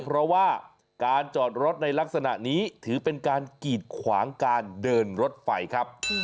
เพราะว่าการจอดรถในลักษณะนี้ถือเป็นการกีดขวางการเดินรถไฟครับ